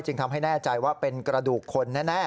ทำให้แน่ใจว่าเป็นกระดูกคนแน่